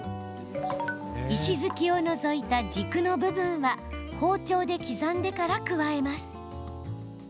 石突きを除いた軸の部分は包丁で刻んでから加えます。